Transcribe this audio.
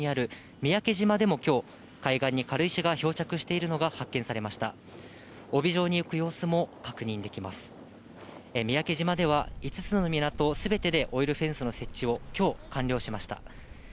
三宅島では、５つの港すべてで、オイルフェンスの設置をきょう完了しました。